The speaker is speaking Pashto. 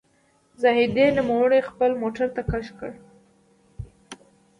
زاهدي نوموړی خپل موټر ته کش کړ.